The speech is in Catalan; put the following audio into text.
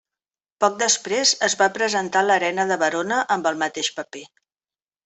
Poc després es va presentar a l'Arena de Verona amb el mateix paper.